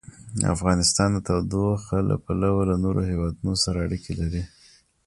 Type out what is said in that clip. افغانستان د تودوخه له پلوه له نورو هېوادونو سره اړیکې لري.